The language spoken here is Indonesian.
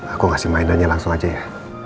aku ngasih mainannya langsung aja ya